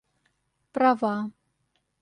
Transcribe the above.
права